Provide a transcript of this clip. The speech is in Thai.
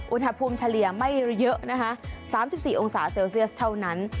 เฉลี่ยไม่เยอะนะคะ๓๔องศาเซลเซียสเท่านั้น